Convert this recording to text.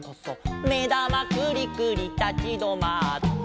「めだまくりくりたちどまって」